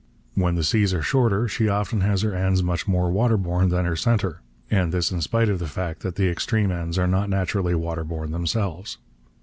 When the seas are shorter she often has her ends much more waterborne than her centre, and this in spite of the fact that the extreme ends are not naturally waterborne themselves.